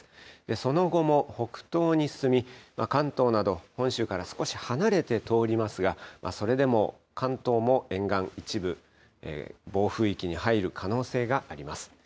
その後も北東に進み、関東など本州から少し離れて通りますが、それでも関東も沿岸、一部暴風域に入る可能性があります。